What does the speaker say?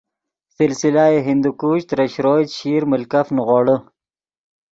سلسلہ ہندوکش ترے شروئے، چیشیر ملکف نیغوڑے